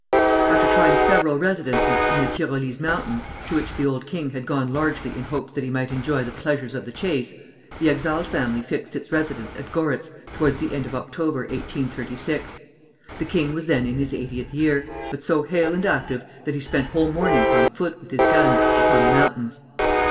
After trying several residences in the Tyrolese mountains, to which the old king had gone largely in hopes that he might enjoy the pleasures of the chase, the exiled family fixed its residence at Goritz towards the end of October, 1836. The king was then in his eightieth year, but so hale and active that he spent whole mornings on foot, with his gun, upon the mountains.